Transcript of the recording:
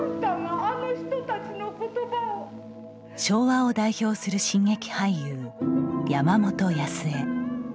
昭和を代表する新劇俳優山本安英。